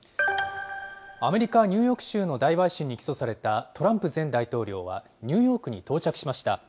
アメリカ・ニューヨーク州の大陪審に起訴されたトランプ前大統領は、ニューヨークに到着しました。